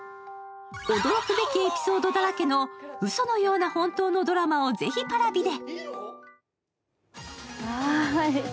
驚くべきエピソードだらけのうそのような本当のドラマをぜひＰａｒａｖｉで。